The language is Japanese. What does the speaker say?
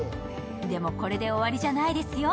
でも、これで終わりじゃないですよ